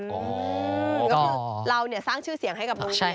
ก็คือเราเนี่ยสร้างชื่อเสียงให้กับโรงเรียนด้วยใช่ไหม